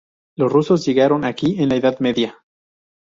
Los rusos llegaron aquí en la Edad Media.